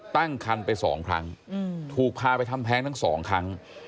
ตั้งคันไป๒ครั้งถูกพาไปทำแท้งทั้งสองครั้ง